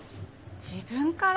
自分から？